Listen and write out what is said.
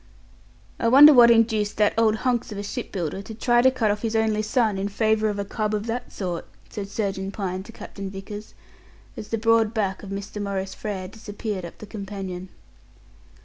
"I wonder what induced that old hunks of a shipbuilder to try to cut off his only son in favour of a cub of that sort," said Surgeon Pine to Captain Vickers as the broad back of Mr. Maurice Frere disappeared up the companion.